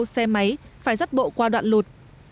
xe máy phải rắt bộ qua đoạn lụt